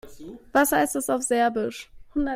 Was heißt das auf Serbisch?